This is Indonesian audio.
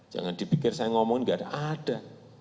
jangan dipikir saya ngomongin enggak ada ada